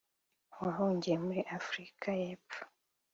wahungiye muri Afurika y’Epfo